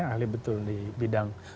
ahli betul di bidang